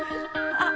あっ。